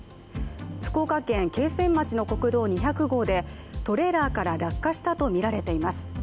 福岡県桂川町の国道２００号でトレーラーから落下したとみられています。